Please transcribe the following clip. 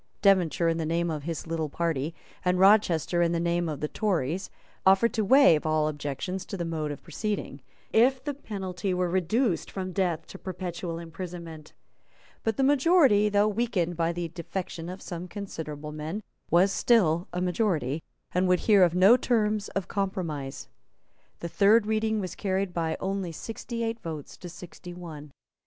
Devonshire, in the name of his little party, and Rochester, in the name of the Tories, offered to waive all objections to the mode of proceeding, if the penalty were reduced from death to perpetual imprisonment. But the majority, though weakened by the defection of some considerable men, was still a majority, and would hear of no terms of compromise. The third reading was carried by only sixty eight votes to sixty one.